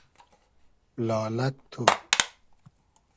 لالئگ تو